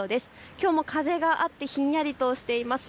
きょうも風があってひんやりとしています。